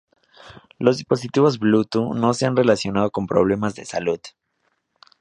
Los dispositivos Bluetooth no se han relacionado con problemas de salud.